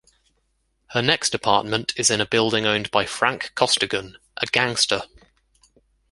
Her next apartment is in a building owned by Frank Costigan, a gangster.